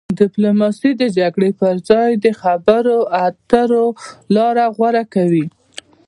ډیپلوماسي د جګړې پر ځای د خبرو اترو لاره غوره کوي.